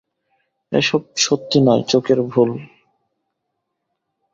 এ সব সত্যি নয়, চোখের ভুল।